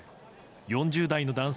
４０代の男性